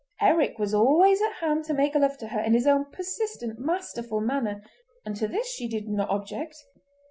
Eric was always at hand to make love to her in his own persistent, masterful manner, and to this she did not object.